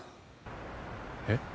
えっ？